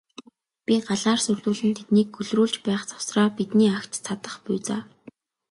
Бид галаар сүрдүүлэн тэднийг гөлрүүлж байх завсраа бидний агт цадах буй за.